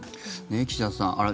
岸田さん